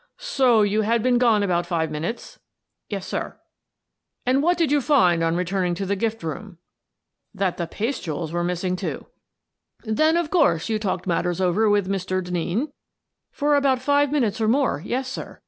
" So you had been gone about five minutes? "" Yes, sir." " And what did you find on returning to the gift j room?" !" That the paste jewels were missing, too." I " Then, of course, you talked matters over with Mr. Denneen?" " For about five minutes or more, yes, sir.